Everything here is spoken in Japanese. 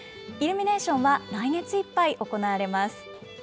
イルミネーションは来月いっぱい行われます。